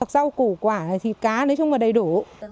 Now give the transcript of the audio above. rau củ quả này thì cá nói chung là đầy đủ